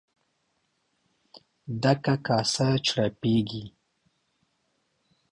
ډکه کاسه چړپېږي.